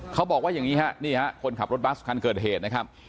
เขาบอกว่าอย่างนี้ฮะนี่ฮะคนขับรถบัสคันเกิดเหตุนะครับ